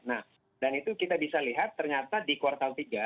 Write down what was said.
nah dan itu kita bisa lihat ternyata di kuartal tiga